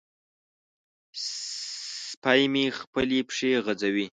سپی مې خپلې پښې غځوي.